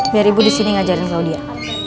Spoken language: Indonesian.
biar ibu disini ngajarin klaudia